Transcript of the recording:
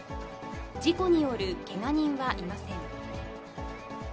事故によるけが人はいません。